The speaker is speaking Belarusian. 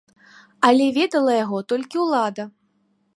Але ведала яго толькі ўлада.